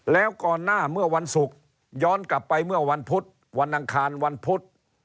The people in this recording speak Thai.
แล้วก่อนหน้าเมื่อวันศุกร์ย้อนกลับไปเมื่อวันพุธวันอังคารวันพุธ